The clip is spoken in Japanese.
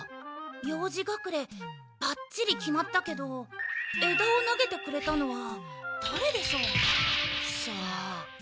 楊枝隠れバッチリ決まったけど枝を投げてくれたのはだれでしょう？さあ。